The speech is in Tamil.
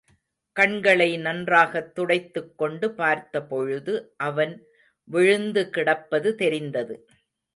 கண்களை நன்றாகத் துடைத்துக் கொண்டு பார்த்தபொழுது அவன் விழுந்து கிடப்பது தெரிந்தது.